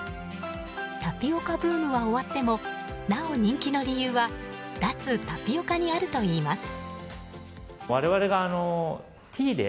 タピオカブームは終わってもなお人気の理由は脱タピオカにあるといいます。